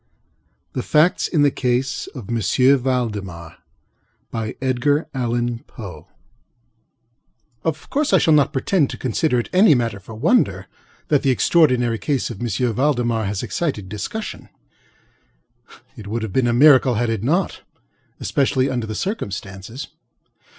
THE FACTS IN THE CASE OF M. VALDEMAR Of course I shall not pretend to consider it any matter for wonder, that the extraordinary case of M. Valdemar has excited discussion. It would have been a miracle had it notŌĆöespecially under the circumstances.